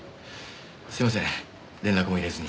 すみません連絡も入れずに。